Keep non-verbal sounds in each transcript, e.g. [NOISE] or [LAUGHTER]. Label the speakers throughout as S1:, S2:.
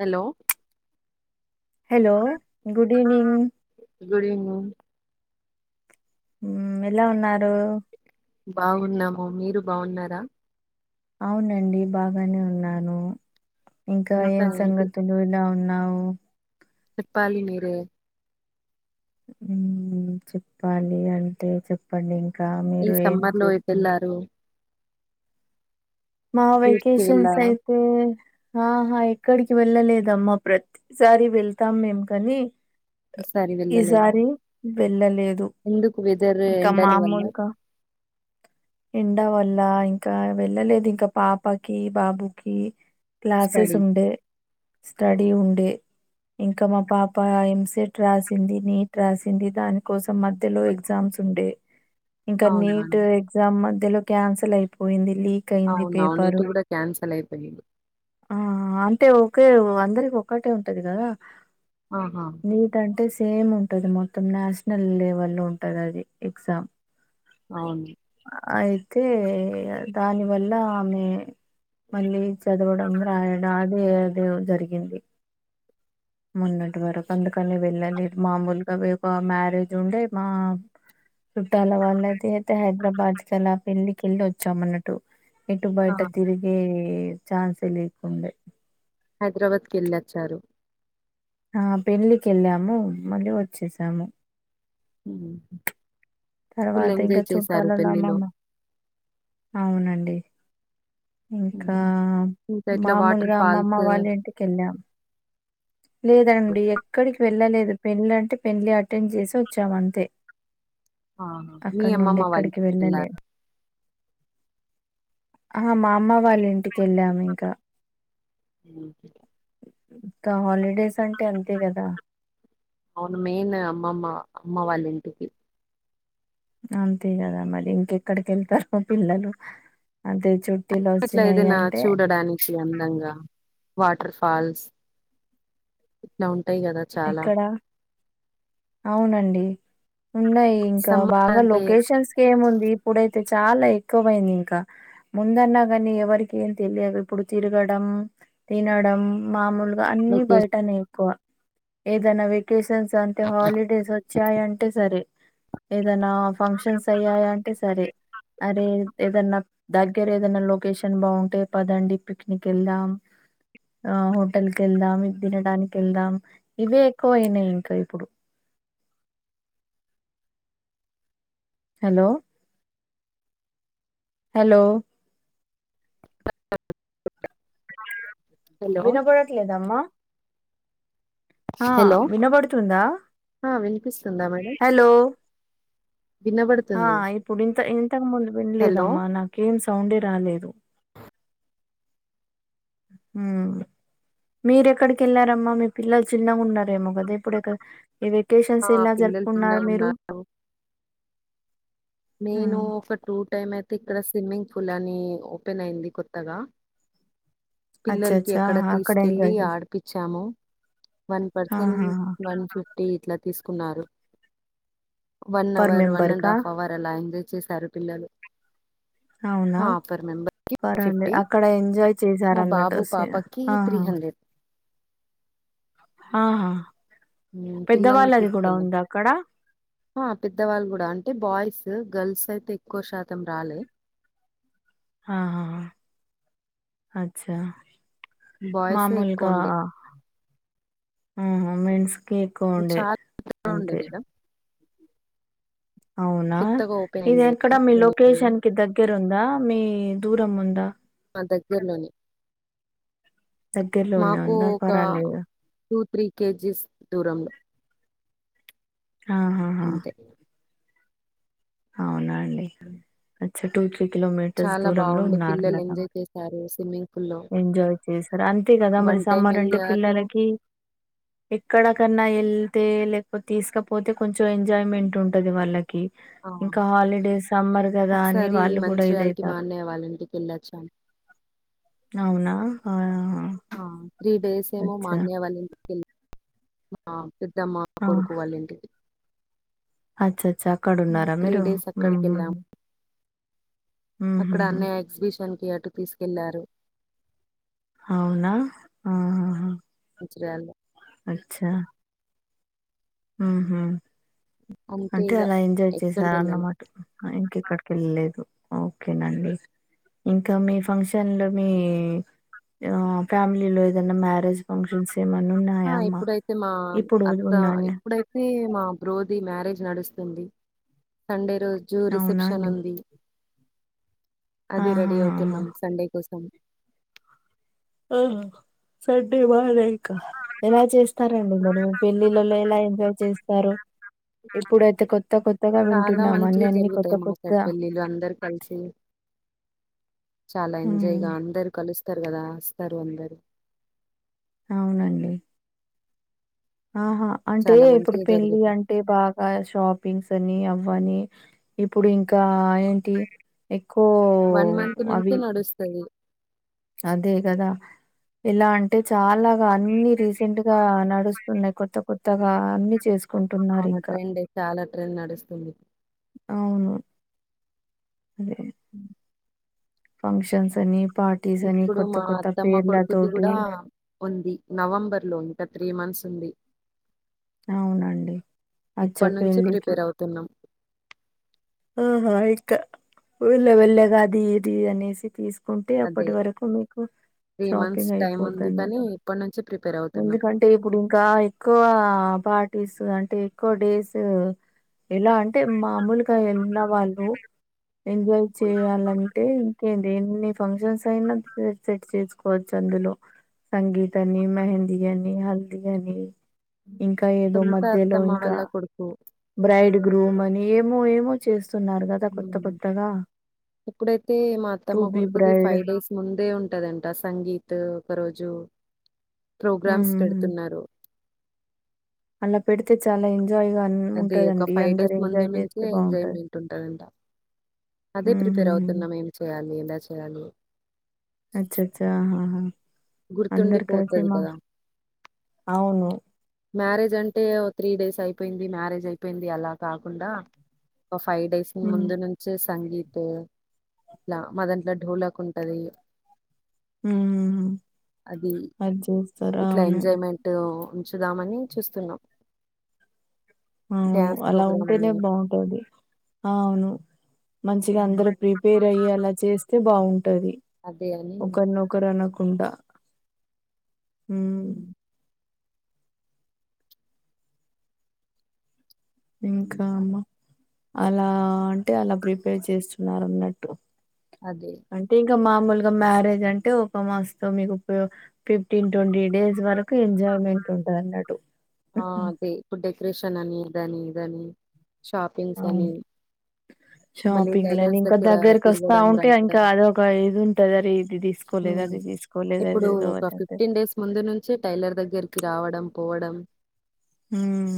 S1: Hello
S2: hello good evening
S1: good evening
S2: మ్మ్ ఎలా ఉన్నారు
S1: బాగున్నాము మీరు బాగున్నారా
S2: అవునండి బాగానే ఉన్నాను ఇంకా ఏం సంగతి నువ్వు ఎలా ఉన్నావు
S1: చెప్పాలి మీరే
S2: మ్మ్ చెప్పాలి అంటే చెప్పండి ఇంకా
S1: ఈ
S2: మీరు ఏం
S1: సమ్మర్ లో ఎటు
S2: చేస్తున్నారు
S1: వెళ్లారు
S2: మా
S1: టూర్స్ కి
S2: వెకేషన్స్
S1: వెళ్ళారా
S2: అయితే ఆహా ఎక్కడికి వెళ్ళలేదమ్మా ప్రతి సారి వెళ్తాం మేం కాని
S1: ఈసారి వెళ్ళలేదా
S2: ఈసారి వెళ్ళలేదు
S1: ఎందుకు వెదర్
S2: ఇంకా
S1: ఎండాని వల్ల
S2: మామూలుగా ఎండ వల్ల ఇంకా వెళ్ళలేదు ఇంకా పాపకి బాబుకి క్లాసెస్
S1: స్టడీ
S2: ఉండేవి స్టడీ ఉండె ఇంకా మా పాప ఎంసెట్ రాసింది నీట్ రాసింది దాని కోసం మధ్యలో ఎగ్జామ్స్ ఉండే ఇంకా
S1: అవునా
S2: నీట్ ఎగ్జామ్ మధ్యలో క్యాన్సల్ అయిపోయింది లీక్ అయింది
S1: అవునువును
S2: పేపరు.
S1: నీట్ కూడా క్యాన్సల్ అయిపోయింది
S2: ఆ అంటే ఒకే అందరికి ఒక్కటే ఉంటది కదా
S1: ఆహా
S2: నీట్ అంటే సేమ్ ఉంటది మొత్తం నేషనల్ లెవెల్ లో ఉంటంది అది ఎగ్జామ్
S1: అవును
S2: అయితే దాని వల్ల ఆమె మళ్ళీ చదవడం రాయడం అదే అదే జరిగింది మొన్నటి వరకు అందుకనే వెళ్ళాలేదు మామూలుగా ఒక మ్యారేజ్ ఉండే మా చుట్టాల వాళ్ళయితే అయితే [UNINTELLIGIBLE] హైదరాబాద్ కి అలా పెళ్ళకి వెళ్ళి వచ్చామన అన్నట్టు ఎటు
S1: ఆ
S2: బయట తిరిగే చాన్స్ ఏ లేకుండే
S1: హైదరాబాద్ కి యేళ్ళాచ్చారు
S2: ఆ పెండ్లీకి వెళ్ళాము మళ్ళీ వచ్చేసాము
S1: ఉహు ఫుల్
S2: తర్వాత ఇంకా
S1: ఎంజాయ్ చేశారు
S2: చుట్టాలలో
S1: పెళ్లిలో
S2: అమ్మమ్మ అవునండి ఇంకా
S1: ఇంకా ఇట్లా వాటర్
S2: మామూలుగా
S1: ఫాల్స్
S2: అమ్మమ్మ వాళ్ళ ఇంటికి వెళ్ళాం లేదండి ఎక్కడికి వెళ్ళలేదు పెళ్ళ అంటే పెళ్లి అటెండ్ చేసి వచ్చాం అంతే
S1: మీ
S2: అక్కడ నుండి
S1: అమ్మమ్మ వాళ్ళ
S2: ఎక్కడికి వెళ్ళలే
S1: వెళ్ళారు
S2: ఆ మా అమ్మ వాళ్ళ ఇంటిక వెళ్ళాము ఇంకా
S1: [UNINTELLIGIBLE]
S2: ఇంకా హాలిడేస్ అంటే అంతే కదా
S1: అవును మెయిన్ అమ్మమ్మ అమ్మ వాళ్ళ ఇంటికి
S2: అంతే కదా మరి ఇంకెక్కడికి వెళ్తారు పిల్లలు అదే చుట్ట
S1: అట్లా ఏదైనా చూడడానికి అందంగా వాటర్ ఫాల్స్ ఇట్లా ఉంటాయి కదా చాలా
S2: ఎక్కడ అవునండి ఉన్నాయి ఇంకా
S1: సమ్మర్
S2: బాగా
S1: అంటే
S2: లొకేషన్స్ క ఏముంది ఇప్పుడైతే చాలా ఎక్కువ అయింది ఇంకా ముందన్నా కానీ ఎవరిక ఏం తెలియదు ఇప్పుడు తిరగడం తినడం మామూలు అన్ని బయటనే ఎక్కువ ఏదైనా వెకేషన్స్ అంటే హాలిడేస్ వచ్చాయంటే సరే ఏదైనా ఫంక్షన్స్ అయ్యాయి అంటే సరే అరే ఏదన్నా దగ్గర ఏదైనా లొకేషన్ బాగుంటే పదండి పిక్నిక్ వెళ్దాం ఆ హోటల్ క వెళ్దాం ఇది తినడానికి వెళ్దాం ఇవే ఎక్కువ అయినాయి ఇంకా ఇప్పుడు హలో హలో
S1: [UNINTELLIGIBLE]
S2: వినపడట్లేదమ్మా ఆ
S1: హలో
S2: వినబడుతుందా
S1: ఆ వినిపిస్తుందా మేడం
S2: హలో ఆ
S1: వినబడుతుంది
S2: ఇప్పుడు ఇంత ఇంతకు ముందు
S1: హలో
S2: వినలేదమ్మా నాకేం సౌండే రాలేదు ఉం మీర ఎక్కడికి వెళ్ళారమ్మా మీ పిల్లలు చిన్నగా ఉన్నారేమో కదా ఇప్పుడు ఈ వెకేషన్స్
S1: ఆ
S2: ఎలా
S1: పిల్లలు చిన్నగా
S2: జరుపుకున్నారు మీరు
S1: ఉన్నారు నేను
S2: ఉమ్.
S1: ఒక టూ టైమ్ అయితే ఇక్కడ స్విమ్మింగ్ పూల్ అని ఓపెన్ అయింది కొత్తగా
S2: అచ్చ అచ్చ
S1: పిల్లలకి అక్కడ
S2: ఆహా
S1: తీసుకెళ్లి
S2: ఎంజాయ్ చేసి
S1: ఆడిపిచ్చాము వన్ పర్సన్
S2: ఆహా
S1: వన్ ఫిఫ్టీ ఇట్లా తీసుకున్నారు one
S2: per
S1: hour one
S2: member
S1: and
S2: కా
S1: హాఫ్ అవర్ అలా ఎంజాయ్ చేశారు పిల్లలు
S2: అవునా
S1: ఆ పర్ మెంబర్ కి
S2: పర్వాలేదు
S1: ఫిఫ్టీ
S2: అక్కడ ఎంజాయ్
S1: మా
S2: చేశారన్నట్టు
S1: బాబు
S2: సి
S1: పాపకి త్రీ
S2: ఆహా
S1: హండ్రెడ్
S2: ఆహా
S1: హ్మ్. పిల్లల్ని
S2: పెద్దవాళ్ళది కూడా
S1: తీసుకెళ్ళాం.
S2: ఉంది అక్కడ
S1: ఆ పెద్దవాళ్ళు కూడా అంటే బాయ్స్ గర్ల్స్ అయితే ఎక్కువ శాతం రాలే
S2: ఆహాహా అచ్చా
S1: బాయ్సే
S2: మామూలుగా
S1: ఎక్కువుండే.
S2: మెన్స్ కే ఎక్కువ ఉండే
S1: చాలా ఉండే
S2: అంతే
S1: మేడం.
S2: అవునా
S1: కొత్తగా ఓపెన్
S2: ఇది
S1: అయింది
S2: ఎక్కడ
S1: గదా!
S2: మీ
S1: ఇప్పుడు నేను
S2: లొకేషన్ కి దగ్గర ఉందా మీ దూరం ఉందా
S1: మా దగ్గరలోని
S2: దగ్గరలోనే
S1: మాకు
S2: ఉందా
S1: ఒక
S2: పర్వాలేదు
S1: టూ త్రీ కేజీస్ దూరంలో
S2: ఆహాహా
S1: అంతే
S2: అవున అండి అచా టూ త్రీ కిలోమీటర్స్ దూరంలో ఉన్నారు మద
S1: సారు సిమ్ [UNINTELLIGIBLE]
S2: ఎంజాయ్ చేసారు అంతే కదా మరి
S1: వన్ టైమ్
S2: సమ్మర్ అంటే
S1: ఎళ్ళారు.
S2: పిల్లలకి ఎక్కడకన్నా వెళ్తే లేకపోతే తీసుకపోతే కొంచెం ఎంజాయ్మెంట్ ఉంటది వాళ్ళకి
S1: ఆ!
S2: ఇంకా హాలిడేస్ సమ్మర్ కదా అని వాళ్ళు కూడా ఇదయితారు
S1: ఇగ వాళ్ళింటి వెళ్లొచ్చాం
S2: అవునా ఆహ్
S1: త్రీ డేస్ ఏమో మా అన్నయ్య వాళ్ళ ఇంటికి వెళ్లి మా పెద్దమ్మా
S2: ఆ!
S1: కొడుకు వాళ్ళింటికి
S2: అచ్చచ్చా అక్కడ ఉన్నారా మీరు హ్మ్
S1: అక్కడికెళ్ళాం. అక్కడ అన్నయ వచ్చి ఎగ్జిబిషన్ కి అటు తీసుకెళ్లారు
S2: అవునా ఊహూ హూ
S1: వచ్చే యాల్ది
S2: అచ్చా ఊహూ
S1: అంతే
S2: అంటే
S1: ఇగ
S2: అలా ఎంజాయ్ చేసార
S1: ఎక్కడికి వెళ్ళలే
S2: అన్నమాట ఇంకెక్కడికి వెళ్ళలేదు ఓకేనండి ఇంకా మీ ఫంక్షన్ లో మీ అ ఫ్యామిలీలో ఏదైనా మ్యారేజ్ ఫంక్షన్స్ ఏమన్నా
S1: ఆ
S2: ఉన్నాయా అమ్మా
S1: ఇప్పుడైతే మా
S2: ఇప్పుడు
S1: అత్త
S2: ఉన్నాయా
S1: ఇప్పుడై రేయ్ మా బ్రోది మ్యారేజ్ నడుస్తుంది సండే రోజు
S2: అవునా
S1: రిసెప్షన్
S2: అండి
S1: ఉంది అది రెడీ
S2: ఆహాహా
S1: అవుతున్నాం సండే కోసం
S2: ఓహొ సండే మన్నెయి ఎలా చేస్తారండి
S1: ఉమ్.
S2: మరి పెళ్ళిళ్ళలో ఎలా ఎంజాయ్ చేస్తారు ఇప్పుడైతే కొత్త కొత్తగా
S1: చాలా
S2: వింటున్నాం అన్ని
S1: మంచిగా
S2: అన్ని కొత్త
S1: జరుగుతాయి మా సైడ్
S2: కొత్త
S1: పెళ్ళిళ్ళు అందరు కలిసి చాలా
S2: ఉమ్
S1: ఎంజాయ్గా అందరు కలుస్తరు కదా వస్తారు అందరు
S2: అవునండి ఆహా అంటే
S1: చాలా
S2: ఇప్పుడు
S1: మంచిగా
S2: పెళ్ళి అం
S1: జరుగుతాయి
S2: అంటే బాగా షాపింగ్స్ అని అవ్వని ఇప్పుడు ఇంకా టి ఎక్కువ అవి
S1: తెలీదు
S2: అదే కదా ఎలా అ అంటే చాలాగా అన్ని రీసెంట్ గా నడుస్తున్నాయి కొత్త కొత్తగా అన్ని చేసుకు
S1: అవును ట్రెండే చాలా ట్రెండ్ నడుస్తుంది
S2: అవును అదే
S1: హ్మ్
S2: ఫంక్షన్స్ అని పార్ట్
S1: ఇప్పుడు మా అత్తమ్మ కొడుకుది కూడా ఉంది నవంబర్ లో ఇంకా త్రీ మంత్స్ ఉంది
S2: అవునండి వచ్చే పెళ్లికి
S1: తినం
S2: ఒహో ఎక్క వెళ్ళ వెళ్ళగా అది ఇది అనేసి తీసుకు ఉంటే
S1: అదే
S2: అప్పటి వరకు మీకు
S1: త్రీ మంత్స్
S2: షాపింగ్
S1: టైం
S2: అయిపోద్ద
S1: ఉంది కానీ
S2: న్నట్టు
S1: ఇప్పటి నుంచి ప్రిపేర్ అవుతున్నాం
S2: ఎందుక అంటే ఇప్పుడు ఇంకా ఎక్కువ పార్టీస్ అంటే ఎక్కువ డేస్ ఎలా అంటే మామూలుగా వెళ్ళిన వాళ్ళు ఎంజాయ్ చేయాలంటే ఎంటి ఎన్ని ఫంక్షన్స్ అయినా సెట్ చేసుకోవచ్చు అందులో సంగీత్ అని మెహంది అని హల్దీ యని ఇంకా ఏదో
S1: సొంత
S2: మధ్యలో
S1: అత్తమ్మ
S2: ఇంకా
S1: వాళ్ళ కొడుకు
S2: బ్రైడ్ గ్రూమ్ అని ఏమో ఏమో చేస్తున్నారు కా
S1: ఇప్పుడైతే మా
S2: టు
S1: అత్తమ్మ
S2: బి
S1: కొడుకుది
S2: బ్రైడ్
S1: ఫైవ్ డేస్ ముందే ఉంటదంట సంగీత్ ఒక రోజు ప్రోగ్రామ్స్
S2: ఉమ్
S1: పెడుతున్నారు
S2: అలా పెడితే చాలా ఎంజాయ్గా అన్
S1: అది ఒక
S2: ఉంటదండి
S1: ఫైవ్
S2: అందరు
S1: డేస్ ముందు
S2: ఎంజాయ్
S1: నుంచే
S2: చేస్తే బాగుంటది
S1: ఎంజాయ్మెంట్ ఉంటాదంట అదే
S2: ఉహుహు
S1: ప్రిపేర్ అవుతున్నాం ఏం చేయాలి ఎలా చేయాలి
S2: అచ్చచ్చా అహ అందరు కలిసి
S1: గుర్తుండిపోతది
S2: మా
S1: కదా
S2: అవును
S1: మ్యారేజ్ అంటే ఓ త్రీ డేస్ అయిపోయింది మ్యారేజ్ అయిపోయింది అలా కాకుండా ఒక ఫైవ్ డేస్
S2: ఉమ్
S1: ముందు నుంచే సంగీత్ అట్లా మదంట్లో డోలాకు ఉంటది
S2: ఉహుహు
S1: అది
S2: అది చేస్తారు
S1: ఇట్ల
S2: అవును
S1: ఎంజాయ్మెంట్ టో ఉంచుదామని చూస్తున్నాం
S2: అవును
S1: డ్యాన్స్
S2: అలా
S1: ప్రోగ్రామ్
S2: ఉంటేనే
S1: అని
S2: బాగుంటది అవును మంచిగా
S1: ఉమ్,
S2: అందరు ప్రీ ఈ రొయ్య అలా చేస్తే బాగుంటది
S1: అదే అని
S2: ఒకరినొకరు అనకుండా
S1: ఉమ్,
S2: మ్ ఇంకా అమ్మ అలా అంటే అలా ప్రిపేర్ చేస్తున్నారు అన్నట్టు
S1: అదే
S2: అంటే ఇంక మామూలుగా మ్యారేజ్ అంటే ఒక మాస్కం మీకు ఫిఫ్టీన్ ట్వంటీ డేస్ వరకు కు ఎంజాయ్మెంట్ ఉంటది అన్నట్టు
S1: ఇప్పుడ్ డెకరేషన్ అని ఇదని ఇదాని షాపింగ్స్ అని మళ్ళీ
S2: షాపింగ్లని
S1: టైలర్స్
S2: ఇంకా
S1: దగ్గర
S2: దగ్గరకి వస్తా
S1: తిరగడం
S2: ఉంటే ఇంకా
S1: రాయడం
S2: అది ఒక ఇది ఉంటది అరే ఇది తీసుకోలేదు అది తీసుకో
S1: ఇప్పుడు ఒక ఫిఫ్టీన్ డేస్ ముందు నుంచే టైలర్ దగ్గరికి రావడం పోవడం
S2: మ్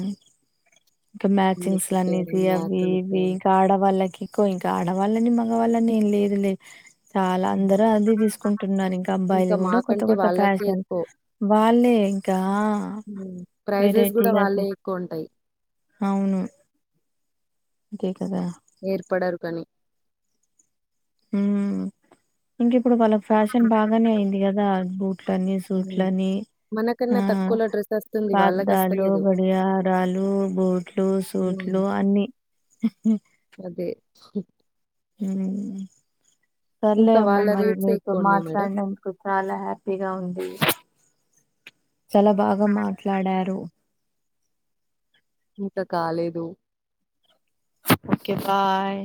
S2: ఇంక మ్యాచింగ్స్
S1: మీకు పేరు
S2: లనేది అవి
S1: మ్యాథ్స్ ఉంటే
S2: ఇవి ఆడవాళ్ళకి ఎక్కు ఇంకా ఆడవాళ్ళని మగవాళ్ళని ఏం లేదు లే చాలా
S1: హ్మ్.
S2: అందరు అదే తీసుకుంటున్నారు ఇంకా అబ్బాయిలు కూడా కొత్త
S1: మాకంటే
S2: కొత్త
S1: వాళ్ళకే
S2: ఫ్యాషన్
S1: ఎక్కువ.
S2: వాళ్లే ఇంకా ఆ
S1: హ్మ్. ప్రైజెస్ కూడా
S2: వెరైటీగా తీ
S1: వాళ్ళే ఎక్కువ ఉంటాయి
S2: అవును అంతే కదా
S1: ఏర్పడరు కని
S2: మ్ ఇంక ఎప్పుడు వల ఫ్యాషన్ బాగానే అయింది కదా బూట్లని
S1: హ్మ్.
S2: సూట్లని
S1: మనకన్నా
S2: ఆ
S1: తక్కువలో డ్రెసొస్తుంది.
S2: కాద్ ఆలు
S1: వాళ్ళకస్తలేదు.
S2: లోబడి యారలు బోట్ బూటు
S1: హ్మ్.
S2: సూట్లు అన్ని
S1: అదే
S2: హమ్ సర్లే
S1: ఇంకా
S2: అమ్మ
S1: వాళ్ళ
S2: మరి
S1: రేట్సే
S2: నీతో
S1: ఎక్కువున్నాయి మేడం.
S2: మాట్లాడినందుకు చాలా హ్యాపీగా ఉంది చాల బాగా మాట్లాడారు
S1: ఇంకా కాలేదు
S2: ఓకే బాయ్